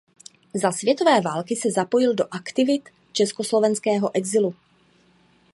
Za světové války se zapojil do aktivit československého exilu.